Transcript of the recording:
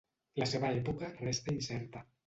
La seva època resta incerta.